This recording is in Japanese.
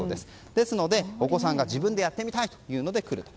ですのでお子さんが自分でやってみたいというので来ると。